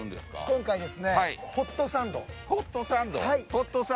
今回ですねホットサンド？